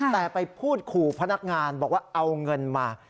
แต่ไปพูดขู่พนักงานบอกว่าเอาเงินมา